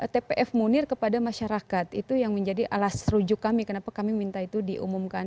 tpf munir kepada masyarakat itu yang menjadi alas rujuk kami kenapa kami minta itu diumumkan